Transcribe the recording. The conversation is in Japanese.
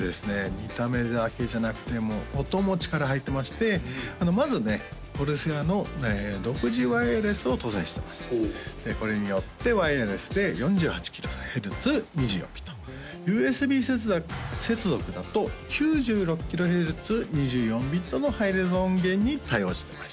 見た目だけじゃなくてもう音も力入ってましてまずねＣＯＲＳＡＩＲの独自ワイヤレスを搭載してますでこれによってワイヤレスで４８ｋＨｚ２４ｂｉｔＵＳＢ接続だと９６ｋＨｚ２４ｂｉｔのハイレゾ音源に対応してます